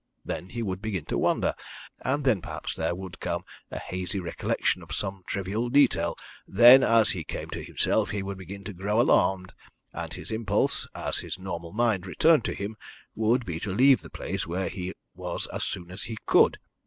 Then he would begin to wonder, and then perhaps there would come a hazy recollection of some trivial detail. Then, as he came to himself, he would begin to grow alarmed, and his impulse, as his normal mind returned to him, would be to leave the place where he was as soon as he could.